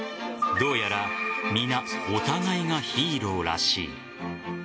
どうやら、皆お互いがヒーローらしい。